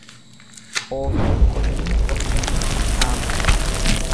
Oofanii qotanii dhoksanii hin haaman.